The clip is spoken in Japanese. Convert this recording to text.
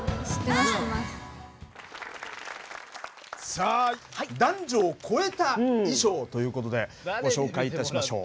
さあ男女を越えた衣装ということでご紹介いたしましょう。